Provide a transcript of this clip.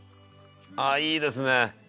あっいいですね！」